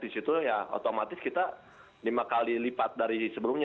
itu ya otomatis kita lima kali lipat dari sebelumnya